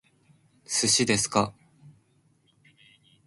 寿司ですか？